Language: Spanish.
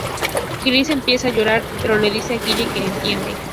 Cris empieza a llorar pero le dice a Guille que lo entiende.